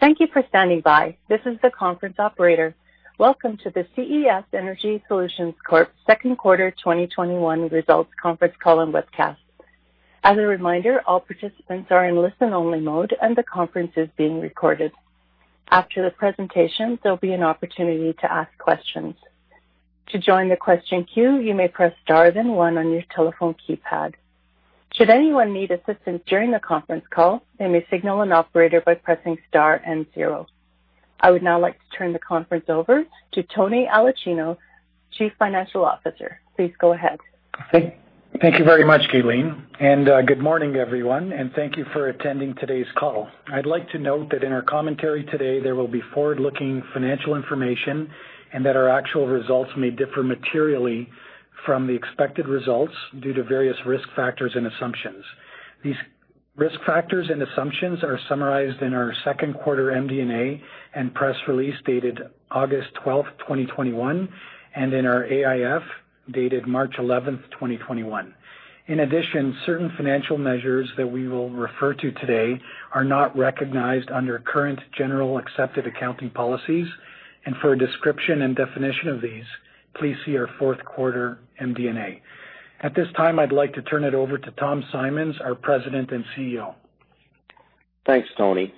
Thank you for standing by. This is the conference operator. Welcome to the CES Energy Solutions Corp second quarter 2021 results conference call and webcast. As a reminder, all participants are in listen-only mode and the conference is being recorded. After the presentation, there'll be an opportunity to ask questions. To join the question queue, you may press star then one on your telephone keypad. Should anyone need assistance during the conference call, they may signal an operator by pressing star and zero. I would now like to turn the conference over to Tony Aulicino, Chief Financial Officer. Please go ahead. Thank you very much, Caitlin, and good morning everyone, and thank you for attending today's call. I'd like to note that in our commentary today, there will be forward-looking financial information and that our actual results may differ materially from the expected results due to various risk factors and assumptions. These risk factors and assumptions are summarized in our second quarter MD&A and press release dated August 12th, 2021, and in our AIF, dated March 11th, 2021. In addition, certain financial measures that we will refer to today are not recognized under current generally accepted accounting principles, and for a description and definition of these, please see our fourth quarter MD&A. At this time, I'd like to turn it over to Tom Simons, our President and CEO. Thanks, Tony.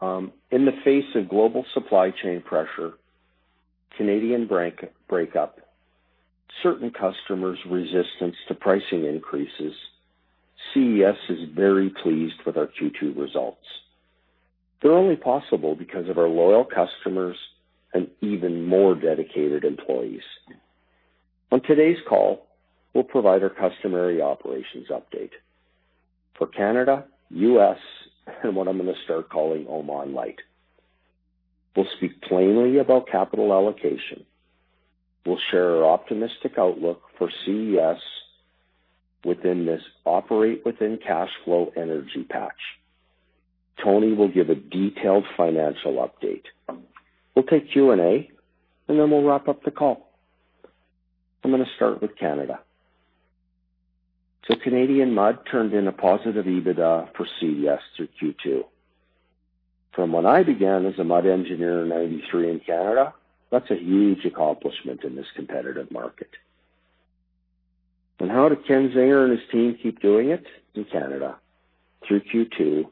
In the face of global supply chain pressure, Canadian breakup, certain customers' resistance to pricing increases, CES is very pleased with our Q2 results. They're only possible because of our loyal customers and even more dedicated employees. On today's call, we'll provide our customary operations update for Canada, U.S., and what I'm gonna start calling Oman Light. We'll speak plainly about capital allocation. We'll share our optimistic outlook for CES within this operate within cash flow energy patch. Tony will give a detailed financial update. We'll take Q&A, then we'll wrap up the call. I'm gonna start with Canada. Canadian mud turned in a positive EBITDA for CES through Q2. From when I began as a mud engineer in 1993 in Canada, that's a huge accomplishment in this competitive market. How do Ken Zinger and his team keep doing it in Canada? Through Q2,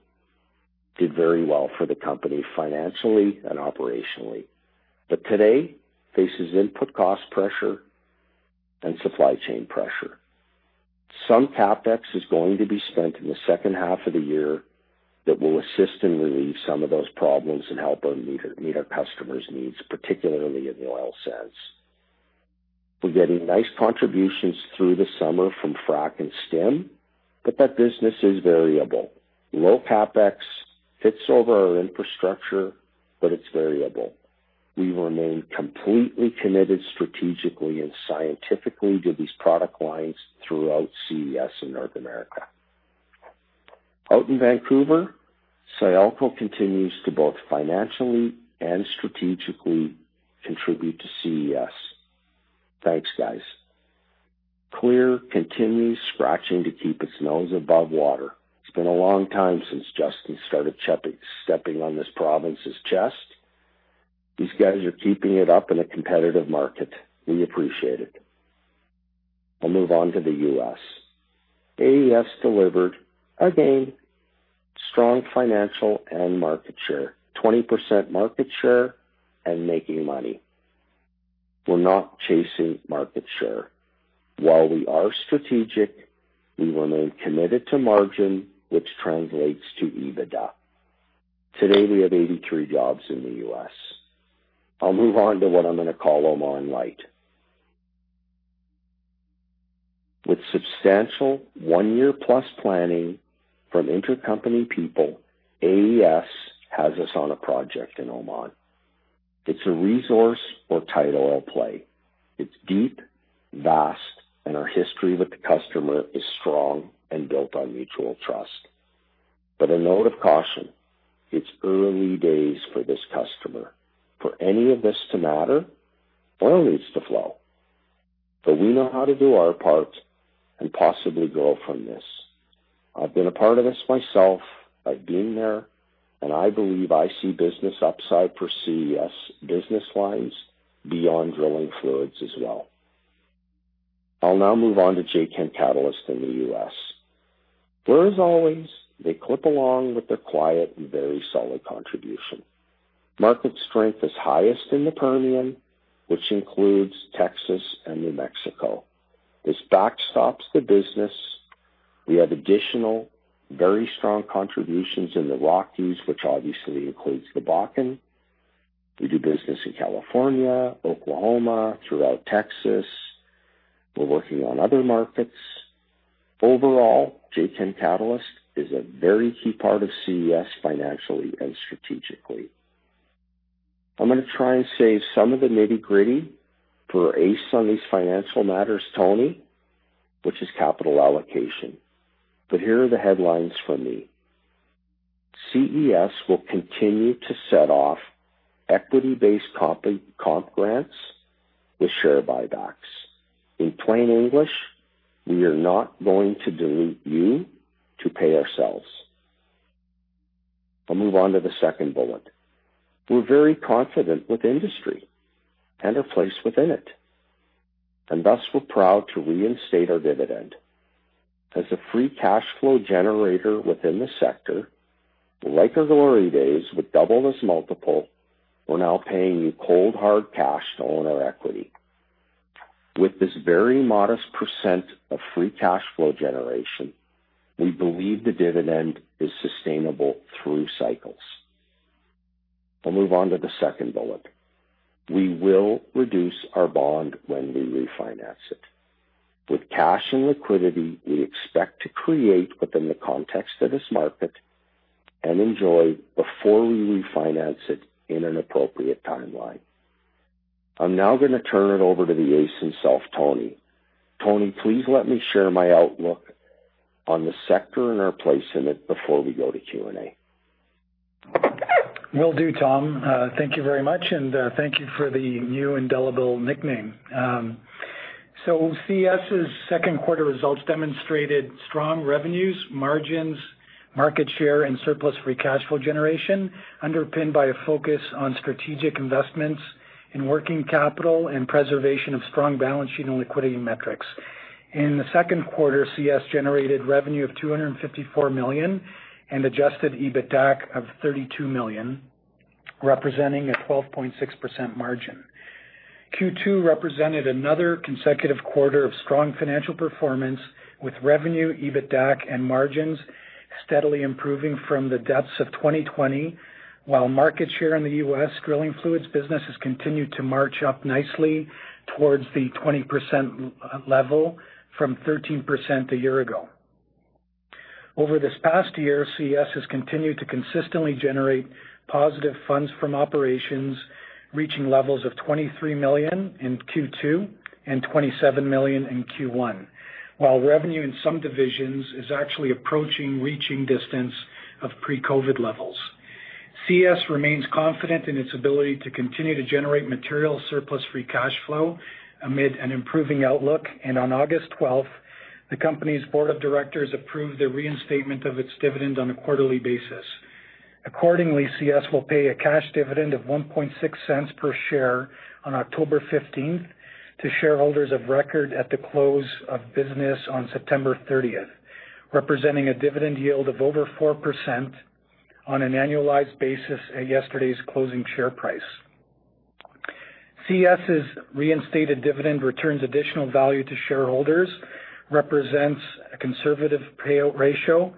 did very well for the company financially and operationally. Today faces input cost pressure and supply chain pressure. Some CapEx is going to be spent in the second half of the year that will assist and relieve some of those problems and help us meet our customers' needs, particularly in the oil sands. We are getting nice contributions through the summer from Frac and Stim, but that business is variable. Low CapEx fits over our infrastructure, but it is variable. We remain completely committed strategically and scientifically to these product lines throughout CES in North America. Out in Vancouver, Sialco continues to both financially and strategically contribute to CES. Thanks, guys. Clear continues scratching to keep its nose above water. It has been a long time since Justin started stepping on this province's chest. These guys are keeping it up in a competitive market. We appreciate it. I'll move on to the U.S. AES delivered, again, strong financial and market share, 20% market share and making money. We're not chasing market share. While we are strategic, we remain committed to margin, which translates to EBITDA. Today, we have 83 jobs in the U.S. I'll move on to what I'm gonna call Oman Light. With substantial one-year plus planning from intercompany people, AES has us on a project in Oman. It's a resource or tight oil play. It's deep, vast, and our history with the customer is strong and built on mutual trust. A note of caution, it's early days for this customer. For any of this to matter, oil needs to flow. We know how to do our part and possibly grow from this. I've been a part of this myself, I've been there, and I believe I see business upside for CES business-wise beyond drilling fluids as well. I'll now move on to Jacam Catalyst in the U.S. There, as always, they clip along with their quiet and very solid contribution. Market strength is highest in the Permian, which includes Texas and New Mexico. This backstops the business. We have additional very strong contributions in the Rockies, which obviously includes the Bakken. We do business in California, Oklahoma, throughout Texas. We're working on other markets. Overall, Jacam Catalyst is a very key part of CES financially and strategically. I'm gonna try and save some of the nitty-gritty for Ace Bailey on these financial matters, Tony, which is capital allocation. Here are the headlines from me. CES will continue to set off equity-based comp grantsThe share buybacks. In plain English, we are not going to dilute you to pay ourselves. I'll move on to the second bullet. Thus we're proud to reinstate our dividend. As a free cash flow generator within the sector, like the glory days, with double as multiple, we're now paying you cold, hard cash to own our equity. With this very modest % of free cash flow generation, we believe the dividend is sustainable through cycles. I'll move on to the second bullet. We will reduce our bond when we refinance it. With cash and liquidity we expect to create within the context of this market, and enjoy before we refinance it in an appropriate timeline. I'm now going to turn it over to the ace himself, Tony. Tony, please let me share my outlook on the sector and our place in it before we go to Q&A. Will do, Tom. Thank you very much, and thank you for the new indelible nickname. CES's second quarter results demonstrated strong revenues, margins, market share, and surplus free cash flow generation, underpinned by a focus on strategic investments in working capital and preservation of strong balance sheet and liquidity metrics. In the second quarter, CES generated revenue of 254 million and adjusted EBITDA of 32 million, representing a 12.6% margin. Q2 represented another consecutive quarter of strong financial performance, with revenue, EBITDA, and margins steadily improving from the depths of 2020, while market share in the U.S. drilling fluids business has continued to march up nicely towards the 20% level from 13% a year ago. Over this past year, CES has continued to consistently generate positive funds from operations, reaching levels of 23 million in Q2 and 27 million in Q1. While revenue in some divisions is actually approaching reaching distance of pre-COVID levels. CES remains confident in its ability to continue to generate material surplus free cash flow amid an improving outlook, and on August 12th, the company's board of directors approved the reinstatement of its dividend on a quarterly basis. Accordingly, CES will pay a cash dividend of 0.016 per share on October 15th to shareholders of record at the close of business on September 30th, representing a dividend yield of over 4% on an annualized basis at yesterday's closing share price. CES's reinstated dividend returns additional value to shareholders, represents a conservative payout ratio,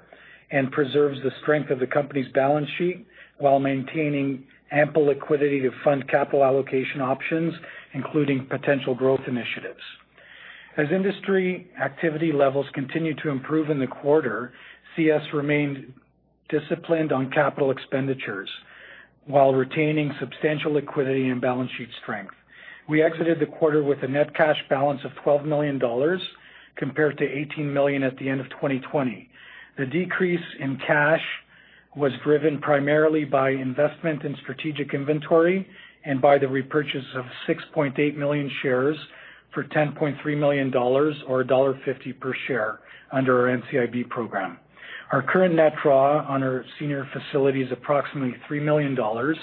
and preserves the strength of the company's balance sheet while maintaining ample liquidity to fund capital allocation options, including potential growth initiatives. As industry activity levels continue to improve in the quarter, CES remained disciplined on capital expenditures while retaining substantial liquidity and balance sheet strength. We exited the quarter with a net cash balance of 12 million dollars compared to 18 million at the end of 2020. The decrease in cash was driven primarily by investment in strategic inventory and by the repurchase of 6.8 million shares for 10.3 million dollars or dollar 1.50 per share under our NCIB program. Our current net draw on our senior facility is approximately 3 million dollars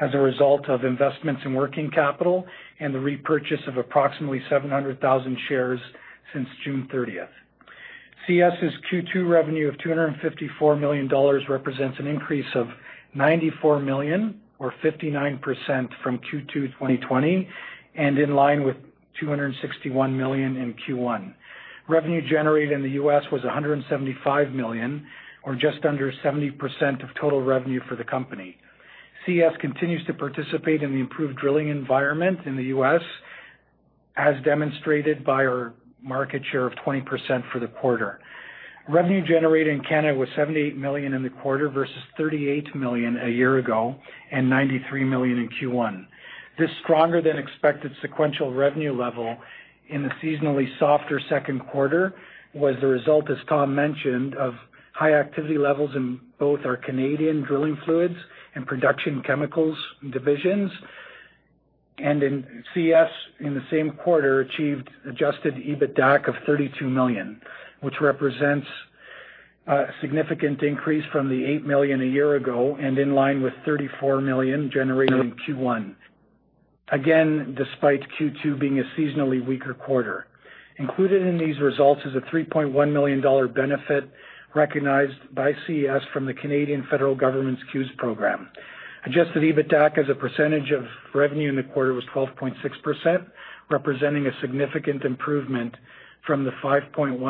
as a result of investments in working capital and the repurchase of approximately 700,000 shares since June 30th. CES's Q2 revenue of 254 million dollars represents an increase of 94 million or 59% from Q2 2020, and in line with 261 million in Q1. Revenue generated in the U.S. was 175 million, or just under 70% of total revenue for the company. CES continues to participate in the improved drilling environment in the U.S., as demonstrated by our market share of 20% for the quarter. Revenue generated in Canada was 78 million in the quarter versus 38 million a year ago, and 93 million in Q1. This stronger than expected sequential revenue level in the seasonally softer second quarter was the result, as Tom mentioned, of high activity levels in both our Canadian drilling fluids and production chemicals divisions, and in CES in the same quarter achieved adjusted EBITDA of 32 million, which represents a significant increase from the 8 million a year ago and in line with 34 million generated in Q1. Again, despite Q2 being a seasonally weaker quarter. Included in these results is a 3.1 million dollar benefit recognized by CES from the Canadian federal government's CEWS program. Adjusted EBITDA as a percentage of revenue in the quarter was 12.6%, representing a significant improvement from the 5.1%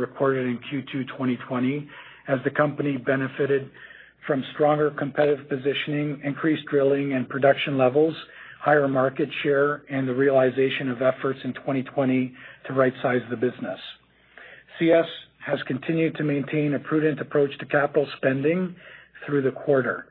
recorded in Q2 2020, as the company benefited from stronger competitive positioning, increased drilling and production levels, higher market share, and the realization of efforts in 2020 to rightsize the business. CES has continued to maintain a prudent approach to capital spending through the quarter,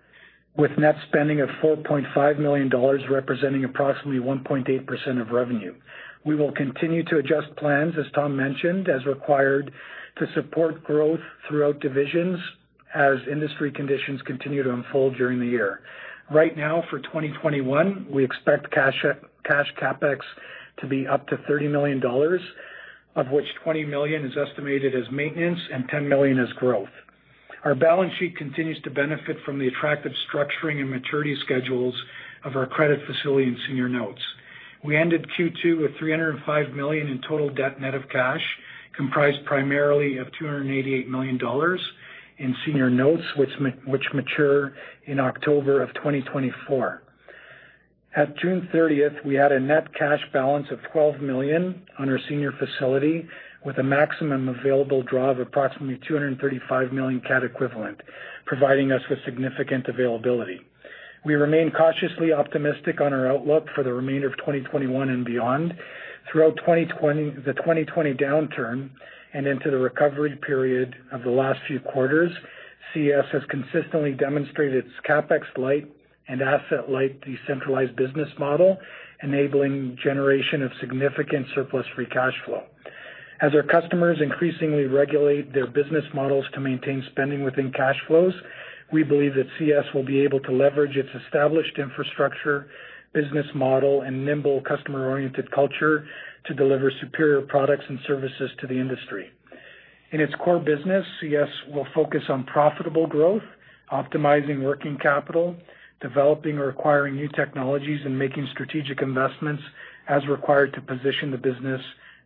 with net spending of 4.5 million dollars, representing approximately 1.8% of revenue. We will continue to adjust plans, as Tom mentioned, as required to support growth throughout divisions as industry conditions continue to unfold during the year. Right now, for 2021, we expect cash CapEx to be up to 30 million dollars, of which 20 million is estimated as maintenance and 10 million as growth. Our balance sheet continues to benefit from the attractive structuring and maturity schedules of our credit facility and senior notes. We ended Q2 with 305 million in total debt net of cash, comprised primarily of 288 million dollars in senior notes, which mature in October of 2024. At June 30th, we had a net cash balance of 12 million on our senior facility, with a maximum available draw of approximately 235 million equivalent, providing us with significant availability. We remain cautiously optimistic on our outlook for the remainder of 2021 and beyond. Throughout the 2020 downturn and into the recovery period of the last few quarters, CES has consistently demonstrated its CapEx-light and asset-light decentralized business model, enabling generation of significant surplus free cash flow. As our customers increasingly regulate their business models to maintain spending within cash flows, we believe that CES will be able to leverage its established infrastructure, business model, and nimble customer-oriented culture to deliver superior products and services to the industry. In its core business, CES will focus on profitable growth, optimizing working capital, developing or acquiring new technologies, and making strategic investments as required to position the business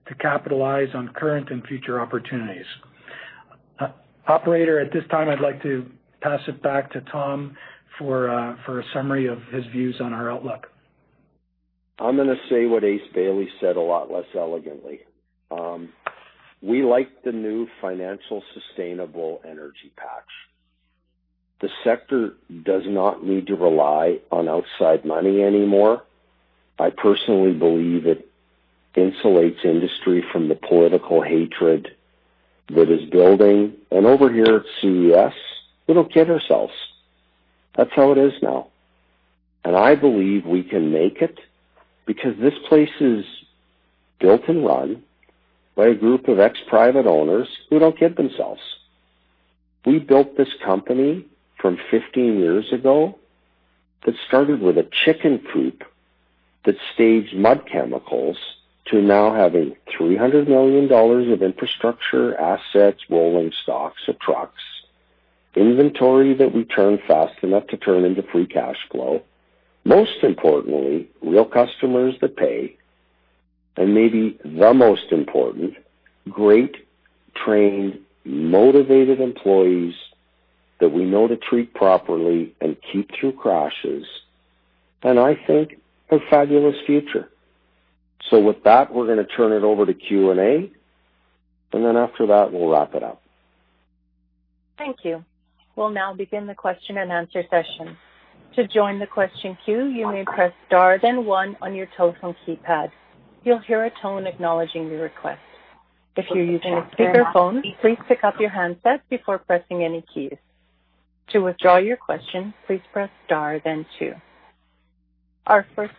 to capitalize on current and future opportunities. Operator, at this time, I'd like to pass it back to Tom for a summary of his views on our outlook. I'm going to say what Ace Bailey said a lot less elegantly. We like the new financial sustainable energy patch. The sector does not need to rely on outside money anymore. I personally believe it insulates industry from the political hatred that is building. Over here at CES, we don't kid ourselves. That's how it is now. I believe we can make it, because this place is built and run by a group of ex-private owners who don't kid themselves. We built this company from 15 years ago that started with a chicken coop that staged mud chemicals to now having 300 million dollars of infrastructure assets, rolling stocks of trucks, inventory that we turn fast enough to turn into free cash flow. Most importantly, real customers that pay, and maybe the most important, great, trained, motivated employees that we know to treat properly and keep through crashes, and I think a fabulous future. With that, we're going to turn it over to Q&A, and then after that, we'll wrap it up. Thank you. We'll now begin the question-and-answer session. Our first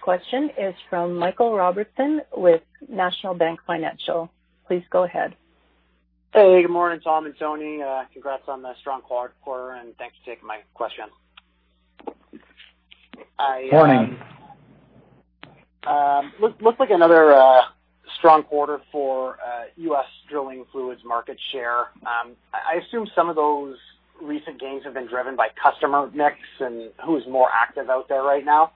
question is from Michael Robertson with National Bank Financial. Please go ahead. Hey, good morning, Tom and Tony. Congrats on the strong quarter, and thanks for taking my question. Morning. Looks like another strong quarter for U.S. drilling fluids market share. I assume some of those recent gains have been driven by customer mix and who's more active out there right now.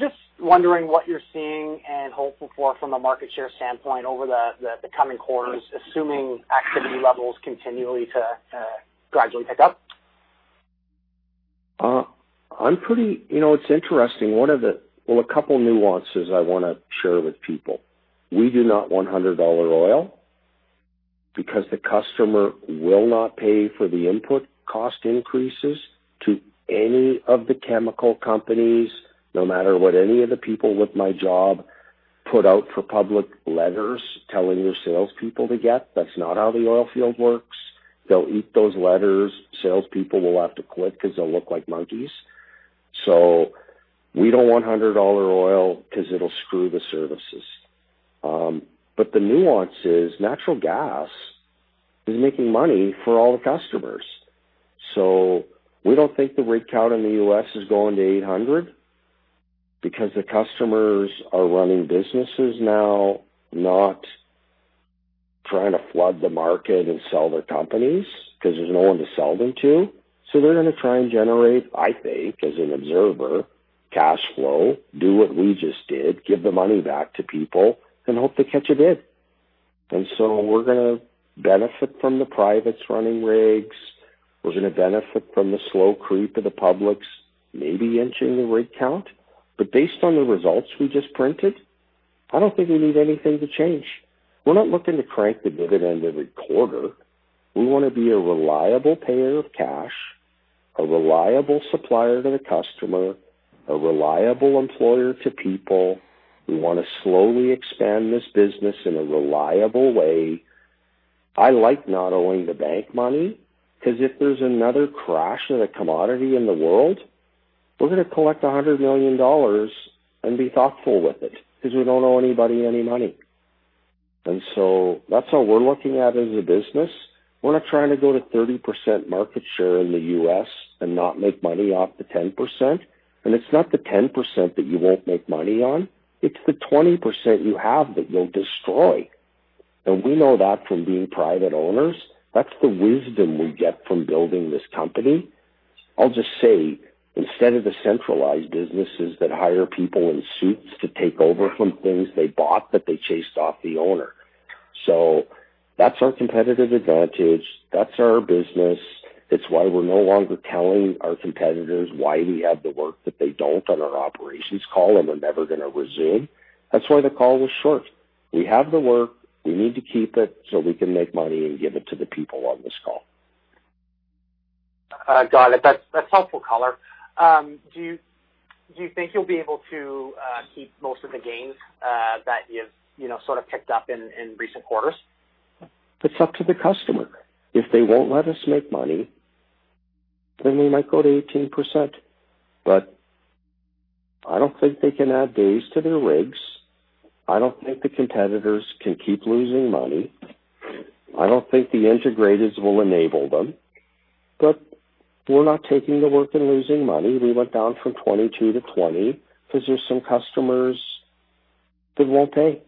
Just wondering what you're seeing and hopeful for from a market share standpoint over the coming quarters, assuming activity levels continually to gradually pick up. It's interesting. Well, a couple nuances I want to share with people. We do not want 100 oil because the customer will not pay for the input cost increases to any of the chemical companies, no matter what any of the people with my job put out for public letters telling their salespeople to get. That's not how the oilfield works. They'll eat those letters. Salespeople will have to quit because they'll look like monkeys. We don't want 100 dollar oil because it'll screw the services. The nuance is natural gas is making money for all the customers. We don't think the rig count in the U.S. is going to 800 because the customers are running businesses now, not trying to flood the market and sell their companies because there's no one to sell them to. They're going to try and generate, I think, as an observer, cash flow, do what we just did, give the money back to people and hope to catch a bid. We're going to benefit from the privates running rigs. We're going to benefit from the slow creep of the publics maybe inching the rig count. Based on the results we just printed, I don't think we need anything to change. We're not looking to crank the dividend every quarter. We want to be a reliable payer of cash, a reliable supplier to the customer, a reliable employer to people. We want to slowly expand this business in a reliable way. I like not owing the bank money, because if there's another crash in a commodity in the world, we're going to collect 100 million dollars and be thoughtful with it, because we don't owe anybody any money. That's how we're looking at it as a business. We're not trying to go to 30% market share in the U.S. and not make money off the 10%. It's not the 10% that you won't make money on, it's the 20% you have that you'll destroy. We know that from being private owners. That's the wisdom we get from building this company. I'll just say, instead of the centralized businesses that hire people in suits to take over from things they bought, that they chased off the owner. That's our competitive advantage. That's our business. It's why we're no longer telling our competitors why we have the work that they don't on our operations call, and we're never going to resume. That's why the call was short. We have the work. We need to keep it so we can make money and give it to the people on this call. Got it. That's helpful color. Do you think you'll be able to keep most of the gains that you've sort of picked up in recent quarters? It's up to the customer. If they won't let us make money, we might go to 18%. I don't think they can add days to their rigs. I don't think the competitors can keep losing money. I don't think the integrators will enable them. We're not taking the work and losing money. We went down from 22%-20% because there's some customers that won't pay,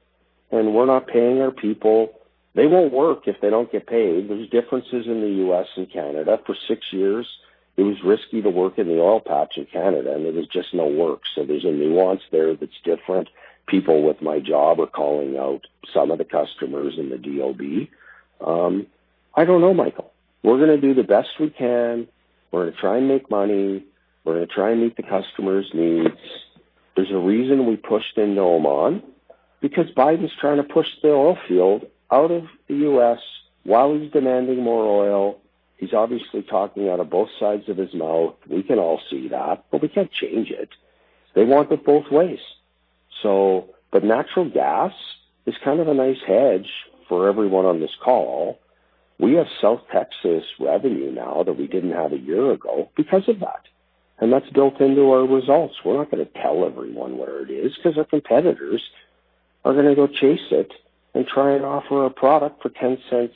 and we're not paying our people. They won't work if they don't get paid. There's differences in the U.S. and Canada. For six years, it was risky to work in the oil patch in Canada, and there was just no work. There's a nuance there that's different. People with my job are calling out some of the customers in the DOB. I don't know, Michael. We're going to do the best we can. We're going to try and make money. We're going to try and meet the customer's needs. There's a reason we pushed in Oman, because Biden's trying to push the oil field out of the U.S. while he's demanding more oil. He's obviously talking out of both sides of his mouth. We can all see that, but we can't change it. They want it both ways. Natural gas is kind of a nice hedge for everyone on this call. We have South Texas revenue now that we didn't have a year ago because of that, and that's built into our results. We're not going to tell everyone where it is because our competitors are going to go chase it and try and offer a product for 0.10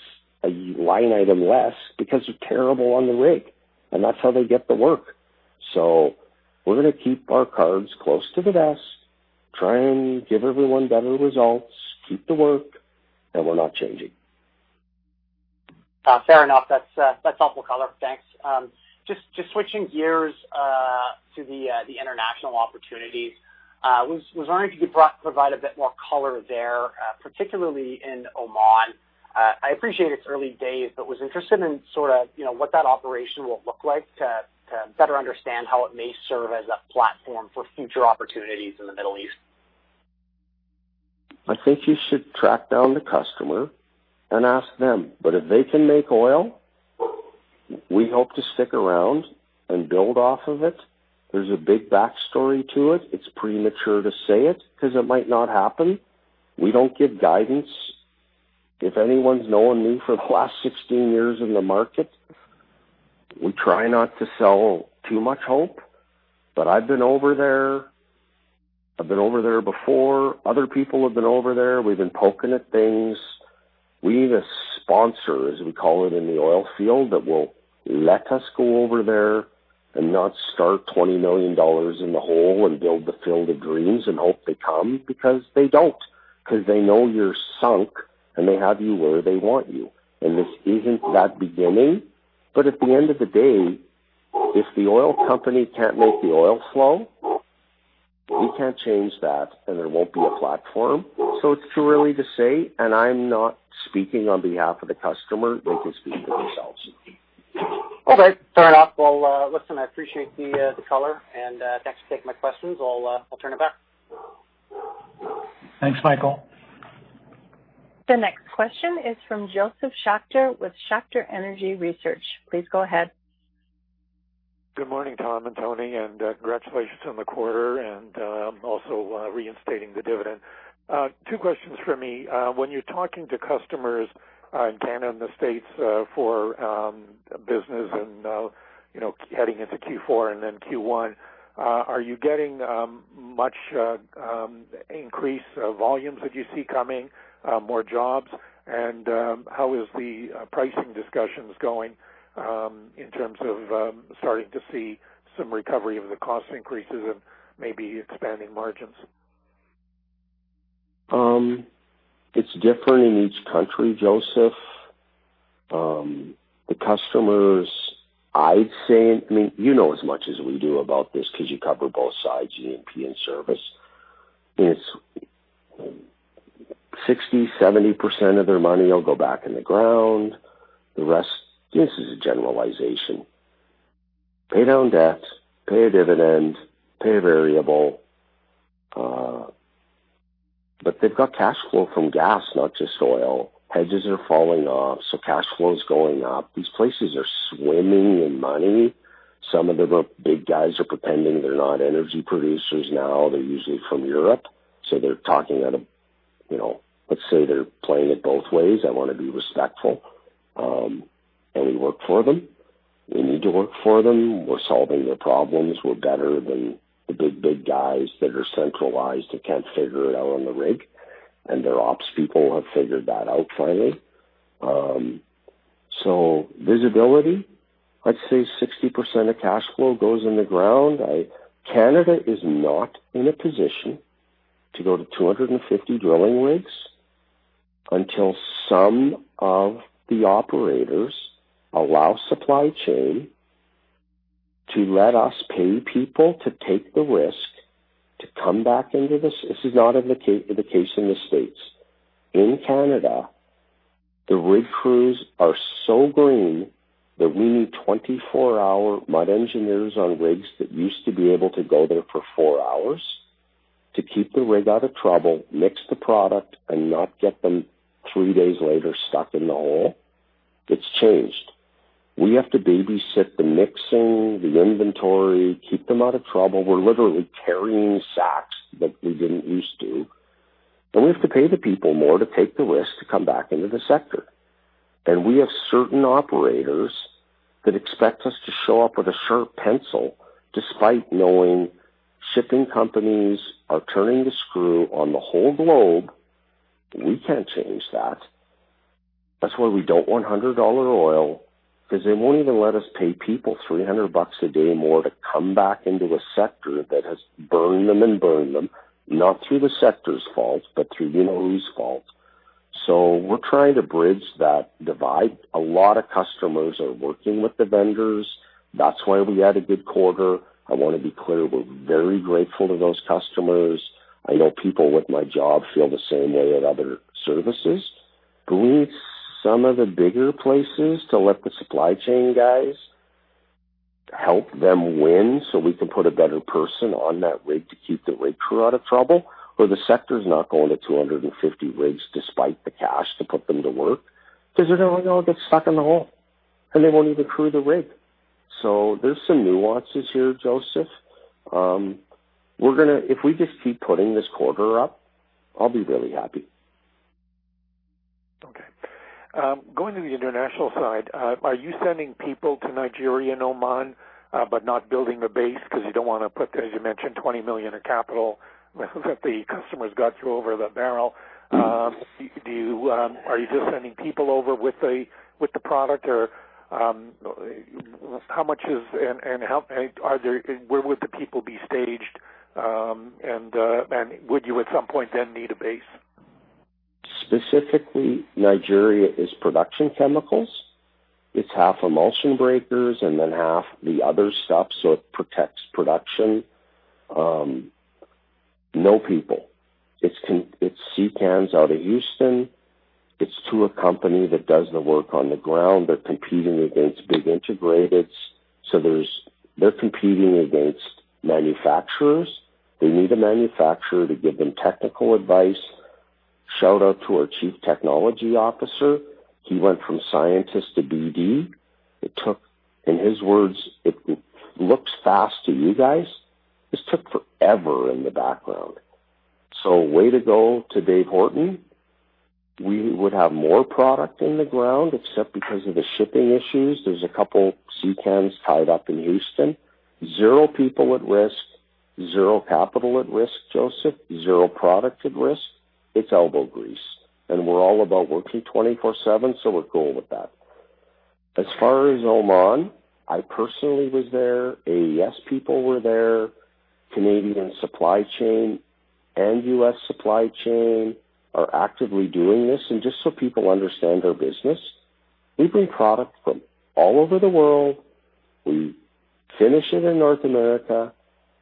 a line item less because they're terrible on the rig, and that's how they get the work. We're going to keep our cards close to the vest, try and give everyone better results, keep the work, and we're not changing. Fair enough. That's helpful color. Thanks. Switching gears to the international opportunities, was wondering if you could provide a bit more color there, particularly in Oman. I appreciate it's early days, but was interested in sort of what that operation will look like to better understand how it may serve as a platform for future opportunities in the Middle East. I think you should track down the customer and ask them. If they can make oil, we hope to stick around and build off of it. There's a big backstory to it. It's premature to say it, because it might not happen. We don't give guidance. If anyone's known me for the last 16 years in the market, we try not to sell too much hope. I've been over there. I've been over there before. Other people have been over there. We've been poking at things. We need a sponsor, as we call it in the oil field, that will let us go over there and not start 20 million dollars in the hole and build the field of dreams and hope they come, because they don't. They know you're sunk, and they have you where they want you. This isn't that beginning. At the end of the day, if the oil company can't make the oil flow, we can't change that, and there won't be a platform. It's too early to say. I'm not speaking on behalf of the customer. They can speak for themselves. Okay. Fair enough. Well, listen, I appreciate the color, and thanks for taking my questions. I'll turn it back. Thanks, Michael. The next question is from Josef Schachter with Schachter Energy Research. Please go ahead. Good morning, Tom and Tony, and congratulations on the quarter and also reinstating the dividend. Two questions from me. When you're talking to customers in Canada and the States for business and heading into Q4 and then Q1, are you getting much increase volumes that you see coming, more jobs? How is the pricing discussions going in terms of starting to see some recovery of the cost increases and maybe expanding margins? It's different in each country, Josef. The customers, I'd say. You know as much as we do about this because you cover both sides, E&P and service. 60%, 70% of their money will go back in the ground. The rest, this is a generalization. Pay down debt, pay a dividend, pay a variable. They've got cash flow from gas, not just oil. Hedges are falling off, cash flow is going up. These places are swimming in money. Some of the big guys are pretending they're not energy producers now. They're usually from Europe. They're talking, let's say they're playing it both ways. I want to be respectful. We work for them. We need to work for them. We're solving their problems. We're better than the big guys that are centralized and can't figure it out on the rig. Their ops people have figured that out finally. Visibility, let's say 60% of cash flow goes in the ground. Canada is not in a position to go to 250 drilling rigs until some of the operators allow supply chain to let us pay people to take the risk to come back into this. This is not the case in the U.S. In Canada, the rig crews are so green that we need 24-hour mud engineers on rigs that used to be able to go there for four hours to keep the rig out of trouble, mix the product, and not get them three days later stuck in the hole. It's changed. We have to babysit the mixing, the inventory, keep them out of trouble. We're literally carrying sacks that we didn't used to. We have to pay the people more to take the risk to come back into the sector. We have certain operators that expect us to show up with a sharp pencil despite knowing shipping companies are turning the screw on the whole globe. We can't change that. That's why we don't want 100 dollar oil, because they won't even let us pay people 300 bucks a day more to come back into a sector that has burned them and burned them, not through the sector's fault, but through, you know, whose fault. We're trying to bridge that divide. A lot of customers are working with the vendors. That's why we had a good quarter. I want to be clear, we're very grateful to those customers. I know people with my job feel the same way at other services. We need some of the bigger places to let the supply chain guys help them win so we can put a better person on that rig to keep the rig crew out of trouble, or the sector's not going to 250 rigs despite the cash to put them to work, because they're going to get stuck in the hole, and they won't even crew the rig. There's some nuances here, Josef. If we just keep putting this quarter up, I'll be really happy. Okay. Going to the international side, are you sending people to Nigeria and Oman, but not building a base because you don't want to put, as you mentioned, 20 million of capital that the customers got you over the barrel? Are you just sending people over with the product, or how much is, and where would the people be staged? Would you at some point then need a base? Specifically, Nigeria's production chemicals. It's half emulsion breakers and then half the other stuff, so it protects production. No people. It's sea cans out of Houston. It's to a company that does the work on the ground. They're competing against big integrateds. They're competing against manufacturers. They need a manufacturer to give them technical advice. Shout out to our Chief Technology Officer. He went from scientist to BD. It took, in his words, it looks fast to you guys. This took forever in the background. Way to go to Dave Horton. We would have more product in the ground except because of the shipping issues. There's a couple sea cans tied up in Houston. Zero people at risk, zero capital at risk, Josef, zero product at risk. It's elbow grease. We're all about working 24/7, so we're cool with that. As far as Oman, I personally was there. AES people were there. Canadian supply chain and U.S. supply chain are actively doing this. Just so people understand our business, we bring product from all over the world. We finish it in North America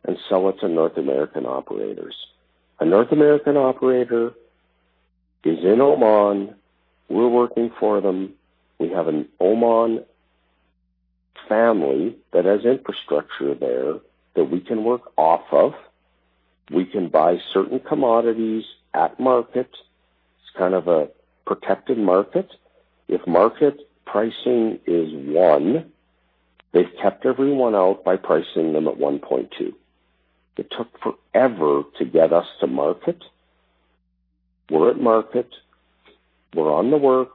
and sell it to North American operators. A North American operator is in Oman. We are working for them. We have an Oman family that has infrastructure there that we can work off of. We can buy certain commodities at market. It is kind of a protected market. If market pricing is one, they have kept everyone out by pricing them at 1.2. It took forever to get us to market. We are at market. We are on the work.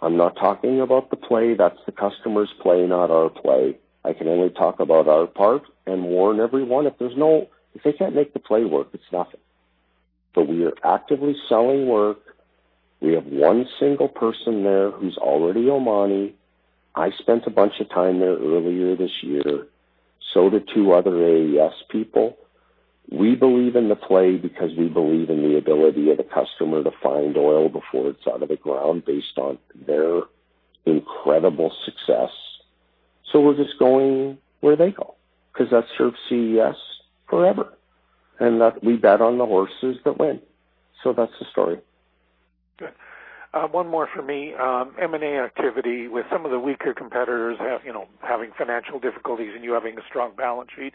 I am not talking about the play. That is the customer's play, not our play. I can only talk about our part and warn everyone, if they can't make the play work, it's nothing. We are actively selling work. We have one single person there who's already Omani. I spent a bunch of time there earlier this year. So did two other AES people. We believe in the play because we believe in the ability of the customer to find oil before it's out of the ground based on their incredible success. We're just going where they go because that serves CES forever, and we bet on the horses that win. That's the story. Good. One more for me. M&A activity with some of the weaker competitors, having financial difficulties and you having a strong balance sheet,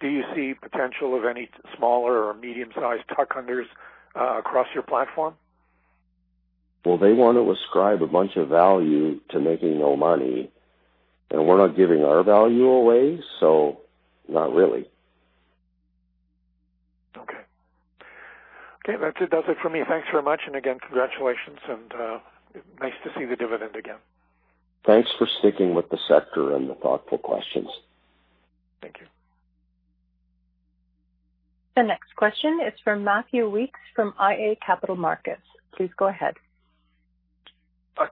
do you see potential of any smaller or medium-sized tuck-unders across your platform? Well, they want to ascribe a bunch of value to making no money, and we're not giving our value away, so not really. Okay. That does it for me. Thanks very much, and again, congratulations, and nice to see the dividend again. Thanks for sticking with the sector and the thoughtful questions. Thank you. The next question is from Matthew Weekes from iA Capital Markets. Please go ahead.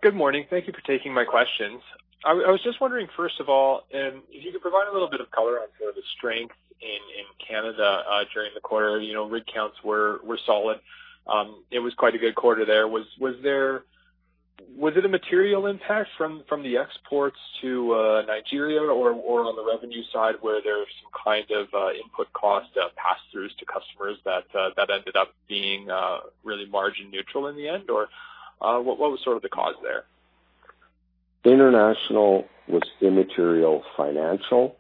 Good morning. Thank you for taking my questions. I was just wondering, first of all, if you could provide a little bit of color on sort of the strength in Canada during the quarter. Rig counts were solid. It was quite a good quarter there. Was it a material impact from the exports to Nigeria or on the revenue side, where there's some kind of input cost pass-throughs to customers that ended up being really margin neutral in the end, or what was sort of the cause there? International was immaterial financial.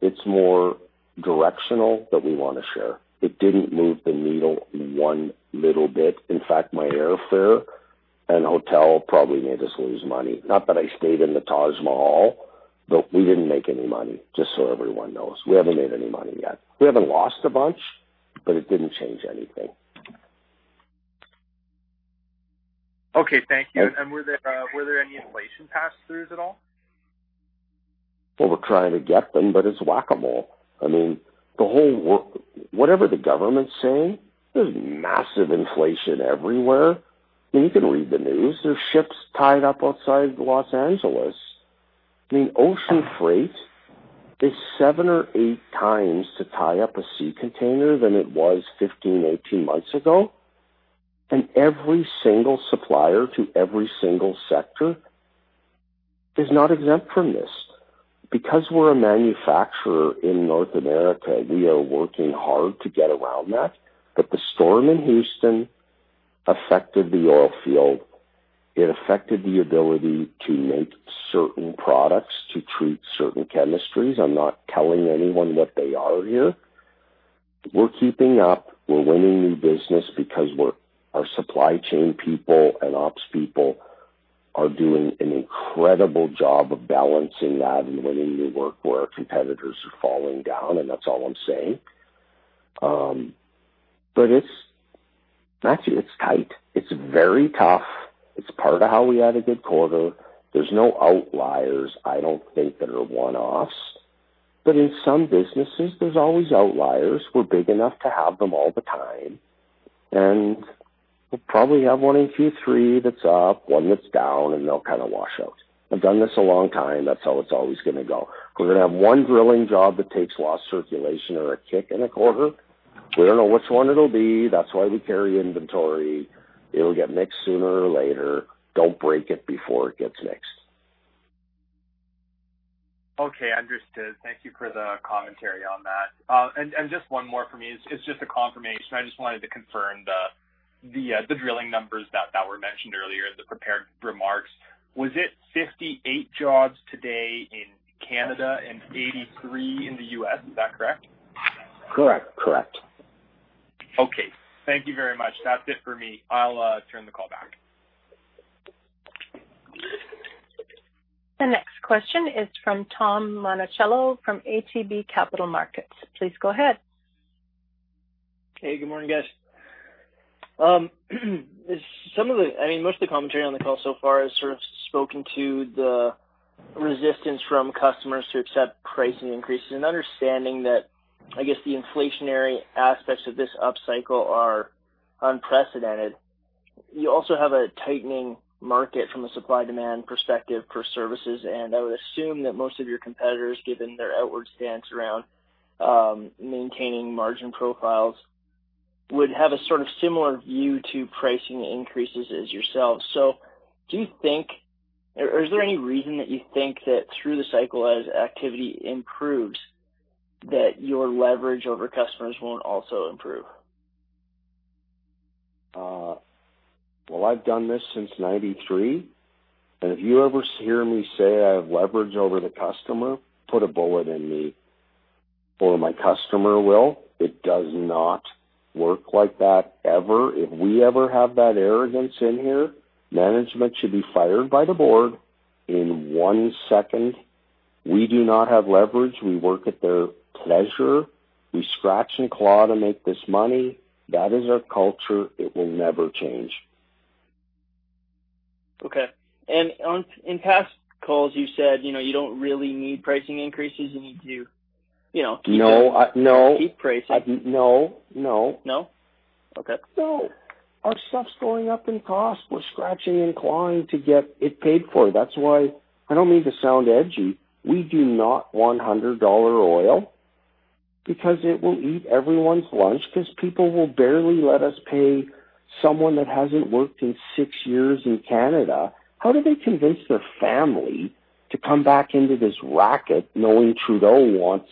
It's more directional that we want to share. It didn't move the needle one little bit. In fact, my airfare and hotel probably made us lose money. Not that I stayed in the Taj Mahal, but we didn't make any money, just so everyone knows. We haven't made any money yet. We haven't lost a bunch, but it didn't change anything. Okay, thank you. Were there any inflation pass-throughs at all? Well, we're trying to get them, but it's Whac-A-Mole. Whatever the government's saying, there's massive inflation everywhere. You can read the news. There's ships tied up outside of Los Angeles. Ocean freight is seven or eight times to tie up a sea container than it was 15, 18 months ago. Every single supplier to every single sector is not exempt from this. Because we're a manufacturer in North America, we are working hard to get around that. The storm in Houston affected the oil field. It affected the ability to make certain products to treat certain chemistries. I'm not telling anyone what they are here. We're keeping up. We're winning new business because our supply chain people and ops people are doing an incredible job of balancing that and winning new work where our competitors are falling down. That's all I'm saying. Matthew, it's tight. It's very tough. It's part of how we had a good quarter. There's no outliers, I don't think, that are one-offs. In some businesses, there's always outliers. We're big enough to have them all the time, and we'll probably have one in Q3 that's up, one that's down, and they'll kind of wash out. I've done this a long time. That's how it's always going to go. We're going to have one drilling job that takes lost circulation or a kick in a quarter. We don't know which one it'll be. That's why we carry inventory. It'll get mixed sooner or later. Don't break it before it gets mixed. Okay, understood. Thank you for the commentary on that. Just one more for me. It's just a confirmation. I just wanted to confirm the drilling numbers that were mentioned earlier in the prepared remarks. Was it 58 jobs today in Canada and 83 in the U.S.? Is that correct? Correct. Okay. Thank you very much. That is it for me. I will turn the call back. The next question is from Tim Monachello from ATB Capital Markets. Please go ahead. Hey, good morning, guys. Most of the commentary on the call so far has sort of spoken to the resistance from customers to accept pricing increases and understanding that, I guess, the inflationary aspects of this upcycle are unprecedented. You also have a tightening market from a supply-demand perspective for services, and I would assume that most of your competitors, given their outward stance around maintaining margin profiles, would have a sort of similar view to pricing increases as yourselves. Do you think, or is there any reason that you think that through the cycle as activity improves, that your leverage over customers won't also improve? Well, I've done this since 1993, and if you ever hear me say I have leverage over the customer, put a bullet in me or my customer will. It does not work like that, ever. If we ever have that arrogance in here, management should be fired by the board in one second. We do not have leverage. We work at their pleasure. We scratch and claw to make this money. That is our culture. It will never change. Okay. In past calls, you said you don't really need pricing increases and you do. No. Keep pricing. No. No? Okay. No. Our stuff's going up in cost. We're scratching and clawing to get it paid for. That's why, I don't mean to sound edgy, we do not want 100 dollar oil because it will eat everyone's lunch because people will barely let us pay someone that hasn't worked in six years in Canada. How do they convince their family to come back into this racket knowing Trudeau wants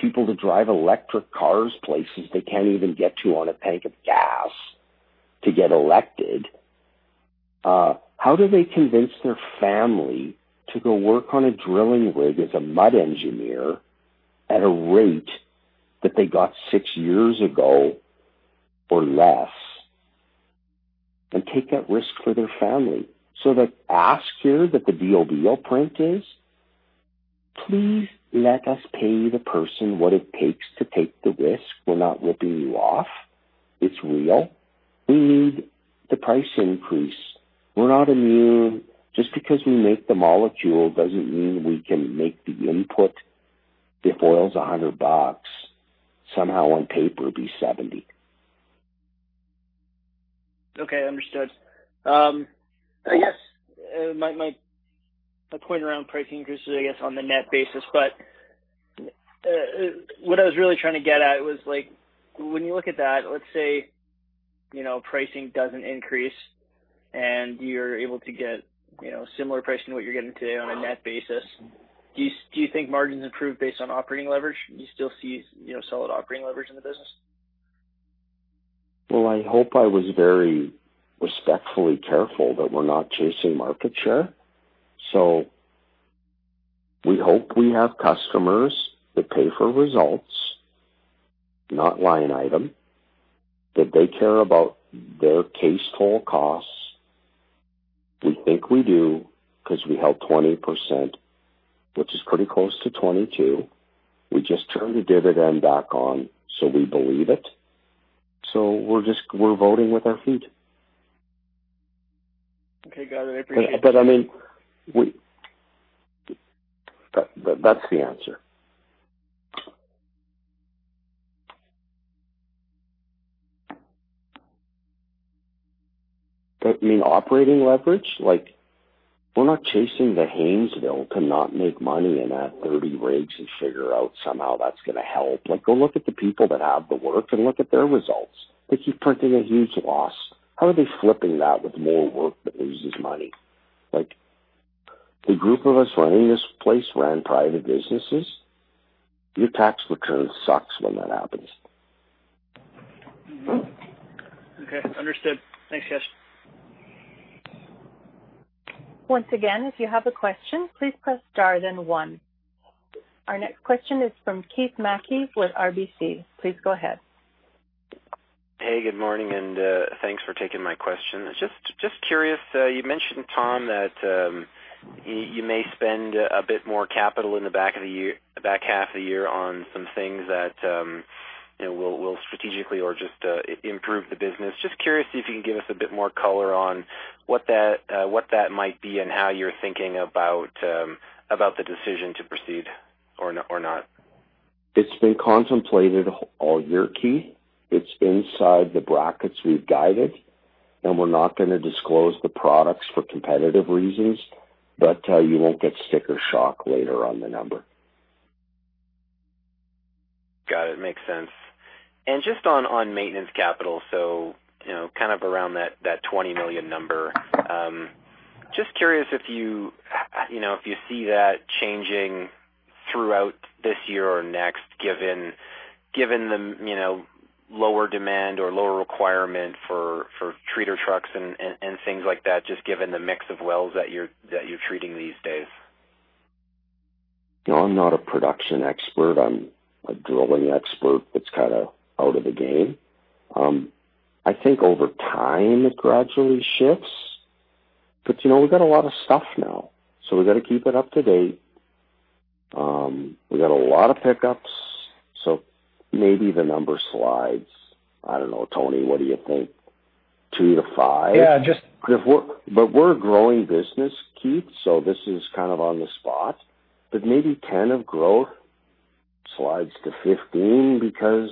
people to drive electric cars places they can't even get to on a tank of gas to get elected? How do they convince their family to go work on a drilling rig as a mud engineer? At a rate that they got six years ago or less, and take that risk for their family. The ask here that the DOB in print is, please let us pay the person what it takes to take the risk. We're not ripping you off. It's real. We need the price increase. We're not immune. Just because we make the molecule doesn't mean we can make the input, if oil's 100 bucks, somehow on paper be 70. Okay, understood. Yes. My point around price increases, I guess, on the net basis, but what I was really trying to get at was when you look at that, let's say, pricing doesn't increase and you're able to get similar pricing to what you're getting today on a net basis, do you think margins improve based on operating leverage? Do you still see solid operating leverage in the business? Well, I hope I was very respectfully careful that we're not chasing market share. We hope we have customers that pay for results, not line item, that they care about their cased hole costs. We think we do because we held 20%, which is pretty close to 22%. We just turned the dividend back on, we believe it. We're voting with our feet. Okay, got it. I appreciate that. That's the answer. You mean operating leverage? We're not chasing the Haynesville to not make money and add 30 rigs and figure out somehow that's going to help. Go look at the people that have the work and look at their results. They keep printing a huge loss. How are they flipping that with more work that loses money? The group of us running this place ran private businesses. Your tax return sucks when that happens. Okay, understood. Thanks, guys. Once again, if you have a question, please press star then one. Our next question is from Keith Mackey with RBC. Please go ahead. Hey, good morning, and thanks for taking my question. Just curious, you mentioned, Tom, that you may spend a bit more capital in the back half of the year on some things that will strategically or just improve the business. Just curious if you can give us a bit more color on what that might be and how you're thinking about the decision to proceed or not. It's been contemplated all year, Keith. It's inside the brackets we've guided, and we're not going to disclose the products for competitive reasons, but you won't get sticker shock later on the number. Got it. Makes sense. Just on maintenance capital, kind of around that 20 million number. Just curious if you see that changing throughout this year or next, given the lower demand or lower requirement for treater trucks and things like that, just given the mix of wells that you're treating these days. No, I'm not a production expert. I'm a drilling expert that's kind of out of the game. I think over time it gradually shifts. We got a lot of stuff now, so we got to keep it up to date. We got a lot of pickups, so maybe the number slides. I don't know, Tony, what do you think? Two to five? Yeah. We're a growing business, Keith, so this is kind of on the spot. Maybe 10% of growth slides to 15% because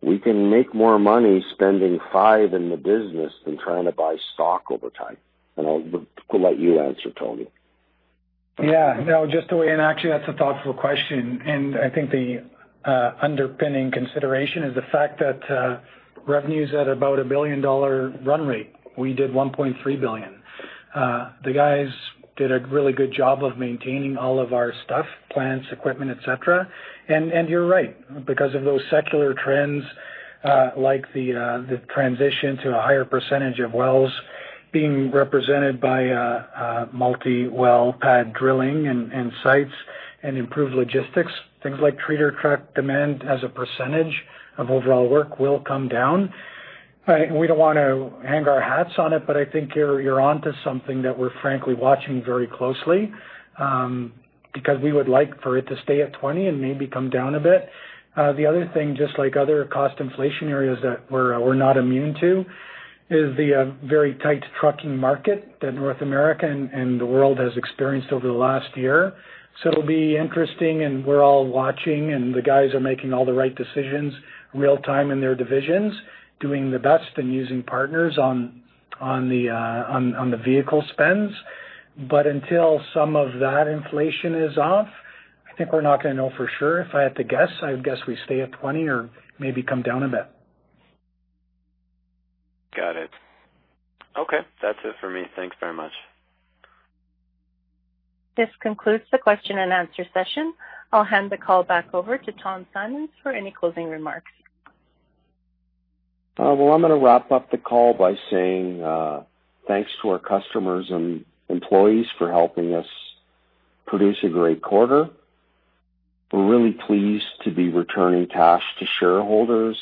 we can make more money spending 5 in the business than trying to buy stock over time. I'll let you answer, Tony. No, just the way, and actually, that's a thoughtful question. I think the underpinning consideration is the fact that revenue's at about a 1 billion dollar run rate. We did 1.3 billion. The guys did a really good job of maintaining all of our stuff, plants, equipment, et cetera. You're right, because of those secular trends, like the transition to a higher percentage of wells being represented by multi well pad drilling and sites and improved logistics, things like treater truck demand as a percentage of overall work will come down. We don't want to hang our hats on it, I think you're onto something that we're frankly watching very closely, because we would like for it to stay at 20% and maybe come down a bit. The other thing, just like other cost inflation areas that we're not immune to, is the very tight trucking market that North America and the world has experienced over the last year. It'll be interesting, and we're all watching, and the guys are making all the right decisions real time in their divisions, doing the best and using partners on the vehicle spends. Until some of that inflation is off, I think we're not going to know for sure. If I had to guess, I would guess we stay at 20% or maybe come down a bit. Got it. Okay. That's it for me. Thanks very much. This concludes the question-and-answer session. I'll hand the call back over to Tom Simons for any closing remarks. Well, I'm going to wrap up the call by saying thanks to our customers and employees for helping us produce a great quarter. We're really pleased to be returning cash to shareholders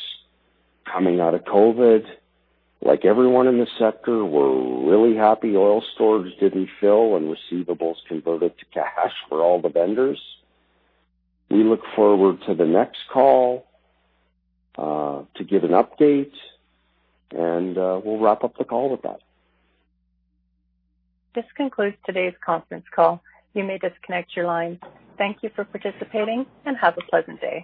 coming out of COVID. Like everyone in the sector, we're really happy oil storage didn't fill and receivables converted to cash for all the vendors. We look forward to the next call to give an update, and we'll wrap up the call with that. This concludes today's conference call. You may disconnect your line. Thank you for participating and have a pleasant day.